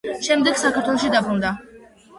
შემდეგ საქართველოში დაბრუნდა.